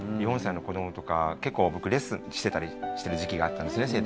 ４歳の子供とか結構僕レッスンしてたりしてる時期があったんですね